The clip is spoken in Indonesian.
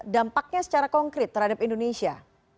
dampaknya secara konkret terhadap indonesia